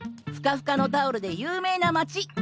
ふかふかのタオルで有名な街。